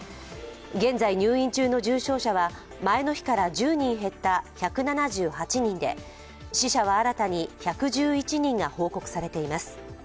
現在入院中の重症者は前の日から１０人減った１７８人で死者は新たに１１１人が報告されています。